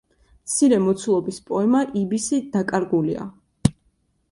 მცირე მოცულობის პოემა „იბისი“ დაკარგულია.